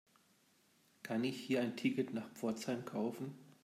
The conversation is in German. Kann ich hier ein Ticket nach Pforzheim kaufen?